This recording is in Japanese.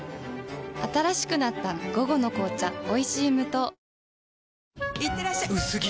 新しくなった「午後の紅茶おいしい無糖」いってらっしゃ薄着！